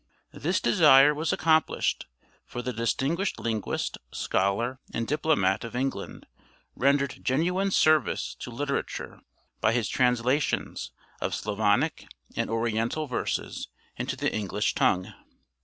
[Illustration: Sir John Bowring] This desire was accomplished; for the distinguished linguist, scholar, and diplomat of England rendered genuine service to literature by his translations of Slavonic and Oriental verses into the English tongue.